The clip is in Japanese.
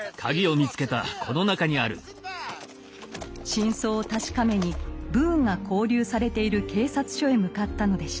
真相を確かめにブーンが拘留されている警察署へ向かったのでした。